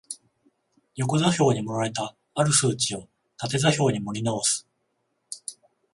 横座標に盛られた或る数値を縦座標に盛り直す